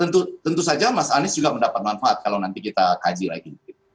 tentu saja mas anies juga mendapat manfaat kalau nanti kita kaji lagi